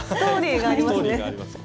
ストーリーがありますね。